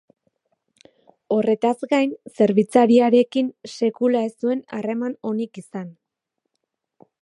Horretaz gain, zerbitzariarekin sekula ez zuen harreman onik izan.